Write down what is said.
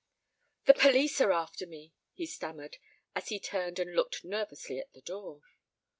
"The police are after me," he stammered, as he turned and looked nervously at the door.